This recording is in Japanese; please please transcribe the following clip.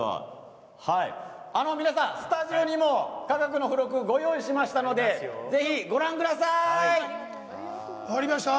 皆さん、スタジオにも「科学」の付録をご用意しましたのでぜひ、ご覧ください。